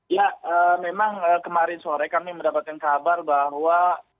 ya memang kemarin sore kami mendapatkan kabar bahwa